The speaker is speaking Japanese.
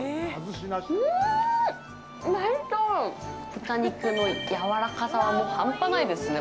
豚肉のやわらかさは半端ないですね。